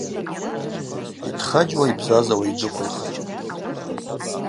Йтхаджьуа йбзазауа йджвыквылхтӏ.